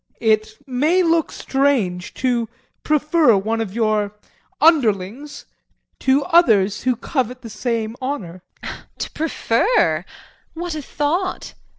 It may look strange to prefer one of your underlings to others who covet the same honor JULIE. To prefer what a thought!